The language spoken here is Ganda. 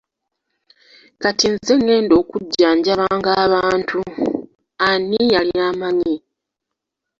Kati nze ngenda okujjanjabanga abantu, ani yali amanyi!